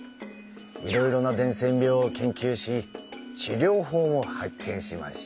いろいろな伝染病を研究し治療法も発見しました。